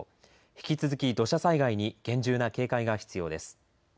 引き続き土砂災害に厳重な警戒が必要です。